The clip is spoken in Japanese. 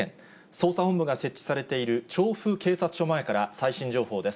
捜査本部が設置されている調布警察署前から最新情報です。